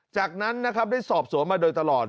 จากนั้นได้สอบสวนมาโดยตลอด